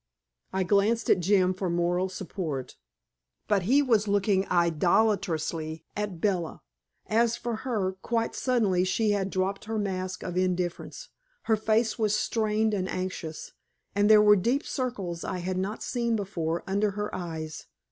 I glanced at Jim for moral support, but he was looking idolatrously at Bella. As for her, quite suddenly she had dropped her mask of indifference; her face was strained and anxious, and there were deep circles I had not seen before, under her eyes.